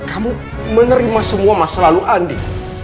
kamu menerima semua masa lalu andi